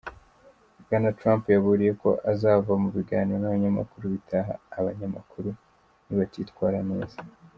Bwana Trump yaburiye ko azava mu biganiro n'abanyamakuru bitaha abanyamakuru "nibatitwara neza".